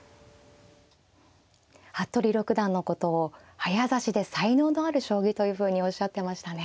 服部六段のことを早指しで才能のある将棋というふうにおっしゃってましたね。